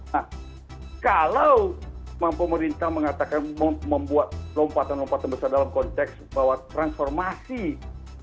nah kalau pemerintah mengatakan membuat lompatan lompatan besar dalam konteks bahwa transformasi